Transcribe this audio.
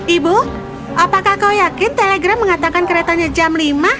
ibu apakah kau yakin telegram mengatakan keretanya jam lima